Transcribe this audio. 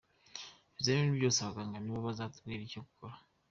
ibizamini byose abaganga nibo bazatubwira icyo gukora.